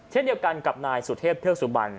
เช่นเดียวกันกับนายสุเทพเทือกสุบัน